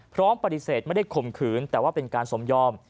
พร้อมปฏิเสธไม่ได้ข่มขืนแต่ว่าเป็นการสมยอม